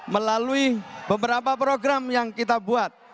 melalui beberapa program yang kita buat